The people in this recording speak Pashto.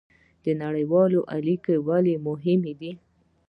نړیوالې اړیکې ولې مهمې دي؟